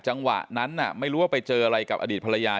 จังหวะนั้นไม่รู้ว่าไปเจออะไรกับอดีตภรรยา